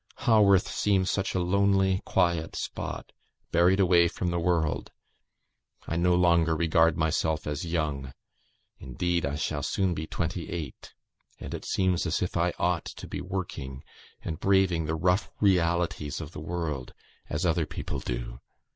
Haworth seems such a lonely, quiet spot, buried away from the world. I no longer regard myself as young indeed, I shall soon be twenty eight; and it seems as if I ought to be working and braving the rough realities of the world, as other people do.